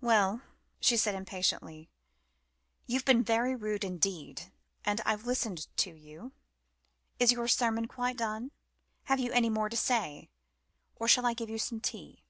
"Well," she said impatiently, "you've been very rude indeed, and I've listened to you. Is your sermon quite done? Have you any more to say? Or shall I give you some tea?"